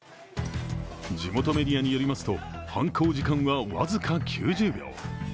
地元メディアによりますと、犯行時間は僅か９０秒。